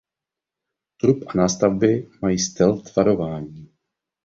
Trup a nástavby mají stealth tvarování.